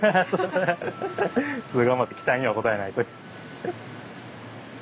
それは頑張って期待には応えないと。